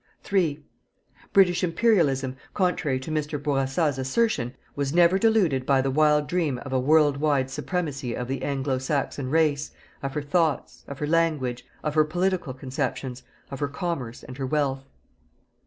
3 British Imperialism, contrary to Mr. Bourassa's assertion, was never deluded by the wild dream _of a world wide supremacy of the Anglo Saxon race, of her thoughts, of her language, of her political conceptions, of her commerce and her wealth_.